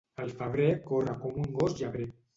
El febrer corre com un gos llebrer.